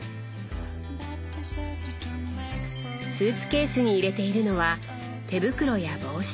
スーツケースに入れているのは手袋や帽子。